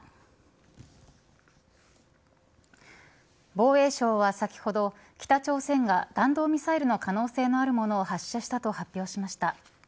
防衛省は先ほど北朝鮮が弾道ミサイルの可能性があるものを発射したと発表しました。